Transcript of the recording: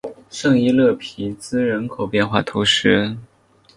圣伊勒皮兹人口变化图示